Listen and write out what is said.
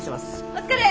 お疲れ！